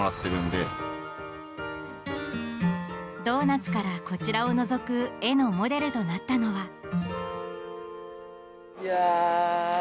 ドーナツからこちらをのぞく絵のモデルとなったのは。